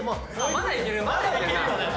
まだいける。